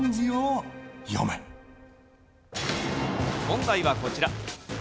問題はこちら。